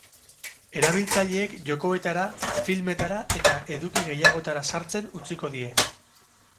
Erabiltzaileek jokoetara, filmetara eta eduki gehiagotara sartzen utziko die.